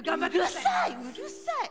うるさいうるさい。